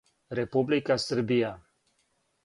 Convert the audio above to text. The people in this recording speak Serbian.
Република Србија